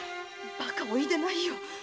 バカをお言いでないよ。